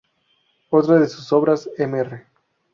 Otra de sus obras, "Mr.